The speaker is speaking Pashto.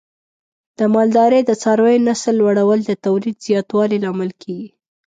د مالدارۍ د څارویو نسل لوړول د تولید زیاتوالي لامل کېږي.